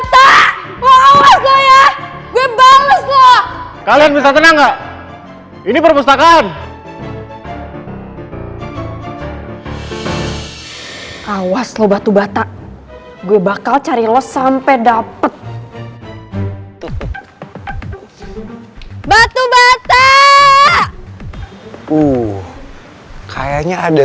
sampai jumpa di video selanjutnya